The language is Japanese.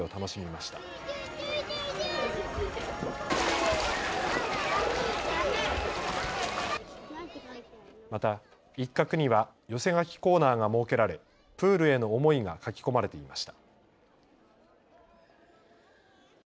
また一角には寄せ書きコーナーが設けられプールへの思いが書き込まれていました。